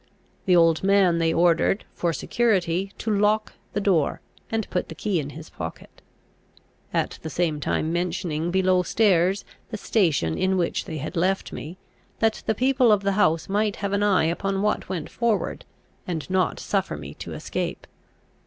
The old man they ordered, for security, to lock the door, and put the key in his pocket; at the same time mentioning below stairs the station in which they had left me, that the people of the house might have an eye upon what went forward, and not suffer me to escape.